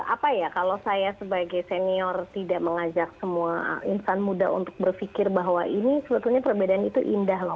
apa ya kalau saya sebagai senior tidak mengajak semua insan muda untuk berpikir bahwa ini sebetulnya perbedaan itu indah loh